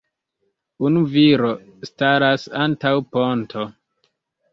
Unu viro staras antaŭ ponto.